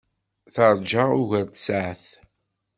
Teṛja ugar n tsaɛet.